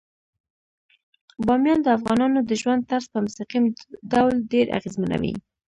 بامیان د افغانانو د ژوند طرز په مستقیم ډول ډیر اغېزمنوي.